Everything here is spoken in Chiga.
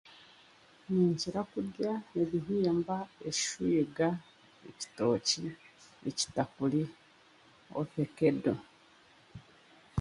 Ninkira kurya ebihimba, eshwiga, ekitookye, ekitakuri, ovakedo.